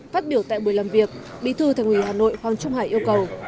phát biểu tại buổi làm việc bí thư thành ủy hà nội hoàng trung hải yêu cầu